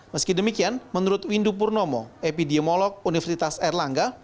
meski demikian menurut windu purnomo epidemiolog universitas erlangga